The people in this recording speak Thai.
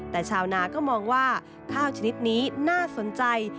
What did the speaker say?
แต่ชาวนาก็มองว่าข้าวชนิดนี้น่าสนใจ